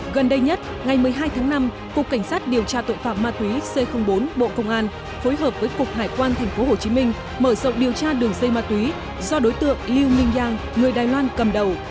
gần đây nhất ngày một mươi hai tháng năm cục cảnh sát điều tra tội phạm ma túy c bốn bộ công an phối hợp với cục hải quan tp hcm mở rộng điều tra đường dây ma túy do đối tượng liu ming yang người đài loan cầm đầu